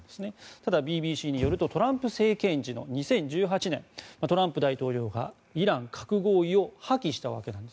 ただ、ＢＢＣによるとトランプ政権時の２０１８年トランプ前大統領がイラン核合意を破棄したわけです。